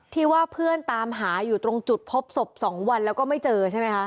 ที่ว่าเพื่อนตามหาอยู่ตรงจุดพบศพ๒วันแล้วก็ไม่เจอใช่ไหมคะ